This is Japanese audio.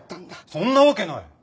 そんなわけない。